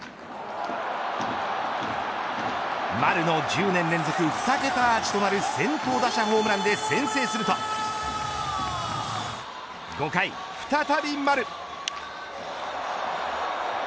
丸の１０年連続２桁アーチとなる先頭打者ホームランで先制すると５回、再び丸。